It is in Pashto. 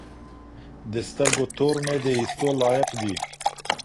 د سترګو تور مي د ايستو لايق دي